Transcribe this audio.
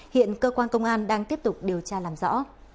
hiện cơ quan công an đang tiếp tục điều tra làm rõ